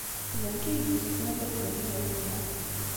D nekk ay d-yessewwen abatenjal-nni.